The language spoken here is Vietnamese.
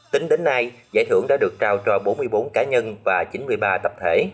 tính đến nay giải thưởng đã được trao cho bốn mươi bốn cá nhân và chín mươi ba tập thể